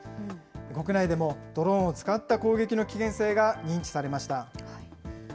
国内でもドローンを使った攻撃の危険性が認知されました。